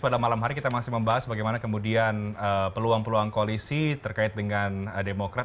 pada malam hari kita masih membahas bagaimana kemudian peluang peluang koalisi terkait dengan demokrat